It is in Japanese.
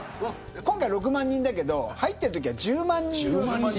今回６万人だけど入っているときは１０万人。